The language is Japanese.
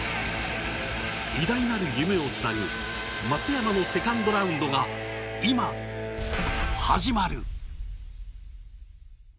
偉大なる夢をつなぐ松山のセカンドラウンドが今、始まる。